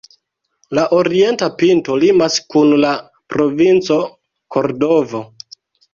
La orienta pinto limas kun la Provinco Kordovo.